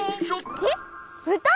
えっ？うた？